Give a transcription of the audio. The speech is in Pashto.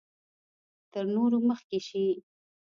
تر نورو مخکې شي.